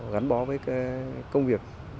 gắn bó với cái công việc